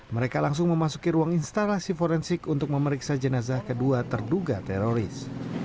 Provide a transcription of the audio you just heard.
mereka langsung memasuki ruang instalasi forensik untuk memeriksa jenazah kedua terduga teroris